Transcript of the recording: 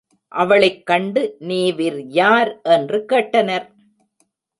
அவளைக் கண்டு நீவீர் யார்? என்று கேட்டனர்.